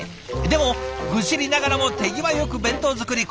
でも愚痴りながらも手際よく弁当作り。